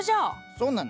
そうなの？